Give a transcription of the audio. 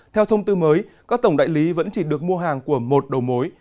theo thông tư mới các tổng đại lý vẫn chỉ được mua hàng của một đầu mối